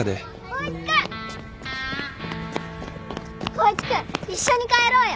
光一君一緒に帰ろうよ！